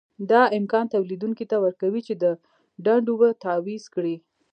دا امکان تولیدوونکي ته ورکوي چې د ډنډ اوبه تعویض کړي.